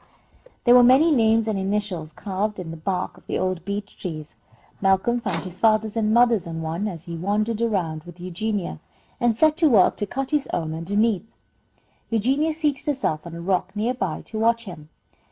There were many names and initials carved in the bark of the old beech trees. Malcolm found his father's and mother's on one, as he wandered around with Eugenia, and set to work to cut his own underneath. Eugenia seated herself on a rock near by, to watch him.